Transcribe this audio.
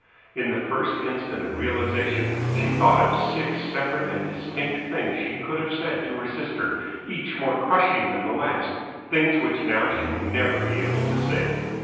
In the first instant of realisation she thought of six separate and distinct things she could have said to her sister, each more crushing than the last things which now she would never be able to say.